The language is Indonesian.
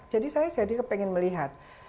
jadi saya jadi pengen melihat